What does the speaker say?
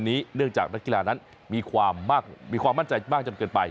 ในธุรกิจนี้เนื่องจากรกีฬานั้นมีความมั่นใจมากจนเกินไป